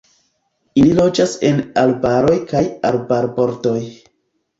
Ili loĝas en arbaroj kaj arbarbordoj.